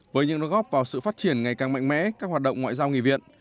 với những nỗ góp vào sự phát triển ngày càng mạnh mẽ các hoạt động ngoại giao nghị viện